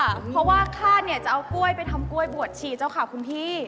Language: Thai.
เพราะว่าค่าเนี่ยจะเอากล้วยไปทำกล้วยบวชชีเจ้าค่ะคุณพี่